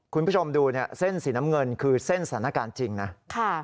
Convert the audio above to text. คุณผู้ชมดูเนี่ยเส้นสีน้ำเงินคือเส้นสถานการณ์จริงนะ